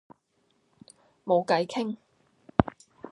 冇計傾